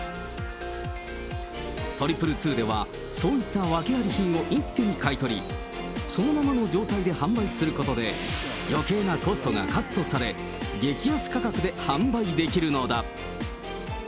２２２では、そういった訳あり品を一手に買い取り、そのままの状態で販売することで、よけいなコストがカットされ、激安価格で販売できるのだ。